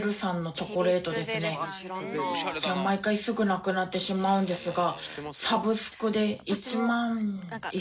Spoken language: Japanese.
毎回すぐなくなってしまうんですが。